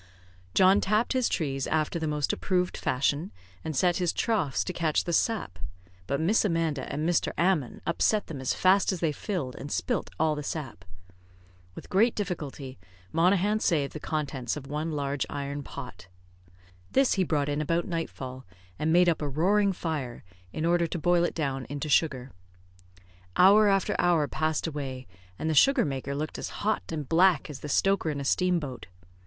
John tapped his trees after the most approved fashion, and set his troughts to catch the sap; but Miss Amanda and Master Ammon upset them as fast as they filled, and spilt all the sap. With great difficulty, Monaghan saved the contents of one large iron pot. This he brought in about nightfall, and made up a roaring fire, in order to boil in down into sugar. Hour after hour passed away, and the sugar maker looked as hot and black as the stoker in a steam boat.